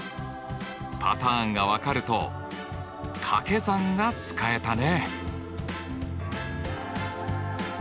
パターンが分かると掛け算が使えたね。